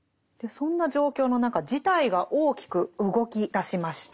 そんな状況の中事態が大きく動きだしました。